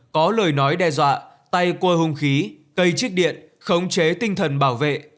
có lời nói đe dọa tay qua hung khí cây trích điện khống chế tinh thần bảo vệ